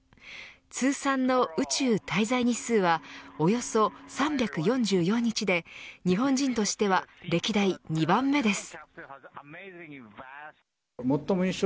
通算の宇宙滞在日数はおよそ３４４日で日本人としては歴代２番目です。